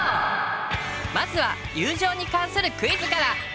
まずは友情に関するクイズから。